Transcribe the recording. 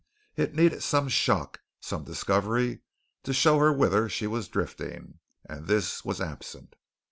It needed some shock, some discovery to show her whither she was drifting and this was absent.